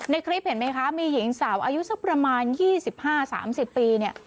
คลิปเห็นไหมคะมีหญิงสาวอายุสักประมาณ๒๕๓๐ปีเนี่ย